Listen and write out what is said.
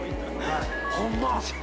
ホンマ